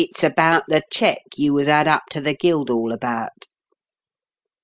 187 It's, about the check yu was had up to the Gildhall about."